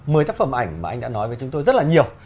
mấy tác phẩm ảnh mà anh đã nói với chúng tôi rất là nhiều